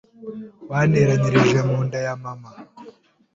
wanteranirije mu nda ya mama,